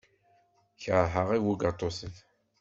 Keṛheɣ ibugaṭuten.